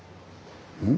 うん？